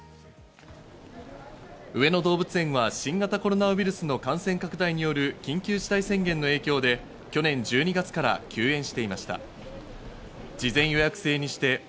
上野動物園は新型コロナウイルスの感染拡大による緊急事態宣言の影響で去年１２月から休園していました。